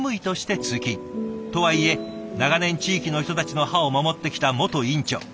とはいえ長年地域の人たちの歯を守ってきた元院長。